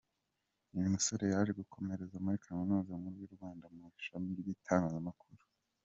Uyu musore yaje gukomereza muri Kaminuza Nkuru y’u Rwanda mu ishami ry’itangazamakuru.